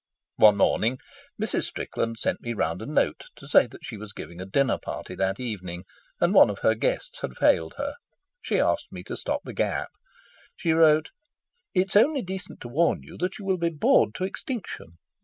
One morning Mrs. Strickland sent me round a note to say that she was giving a dinner party that evening, and one of her guests had failed her. She asked me to stop the gap. She wrote: "It's only decent to warn you that you will be bored to extinction.